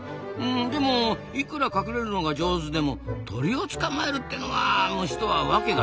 でもいくら隠れるのが上手でも鳥を捕まえるってのは虫とはワケが違いますぞ。